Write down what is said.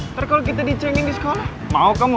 ntar kalo kita di cengeng di sekolah mau kamu